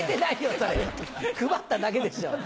それ配っただけでしょ！